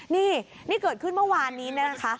นี่นี่เกิดขึ้นเมื่อวานนี้นะคะ